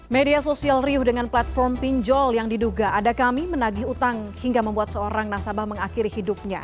media sosial riuh dengan platform pinjol yang diduga ada kami menagih utang hingga membuat seorang nasabah mengakhiri hidupnya